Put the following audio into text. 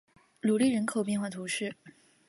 吕利人口变化图示